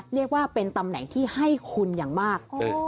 เรียกว่าเป็นตำแหน่งที่ให้คุณอย่างมาก